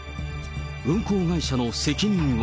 運行会社の責任は。